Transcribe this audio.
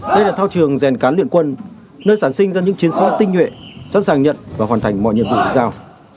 đây là thao trường rèn cán luyện quân nơi sản sinh ra những chiến sĩ tinh nguyện sẵn sàng nhận và hoàn thành mọi nhiệm vụ tự do